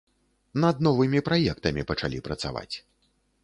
Над новымі праектамі пачалі працаваць.